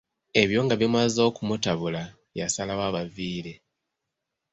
Ebyo nga bimaze okumutabula yasalawo abaviire.